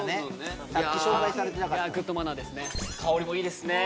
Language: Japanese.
いや香りもいいですね